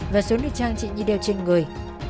và số nữ trang trị như đều trên người